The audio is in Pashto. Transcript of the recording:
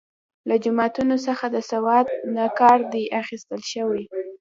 له جوماتونو څخه د سواد کار نه دی اخیستل شوی.